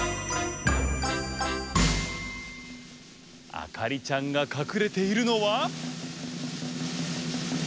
あかりちゃんがかくれているのは。